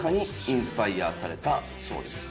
インスパイアされたそうです。